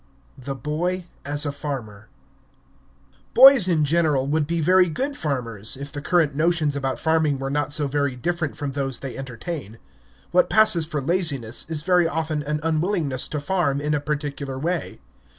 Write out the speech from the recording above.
THE BOY AS A FARMER Boys in general would be very good farmers if the current notions about farming were not so very different from those they entertain. What passes for laziness is very often an unwillingness to farm in a particular way.